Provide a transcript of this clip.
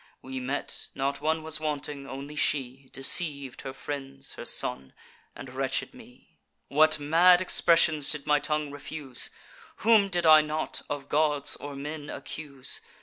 We met: not one was wanting; only she Deceiv'd her friends, her son, and wretched me. "What mad expressions did my tongue refuse! Whom did I not, of gods or men, accuse!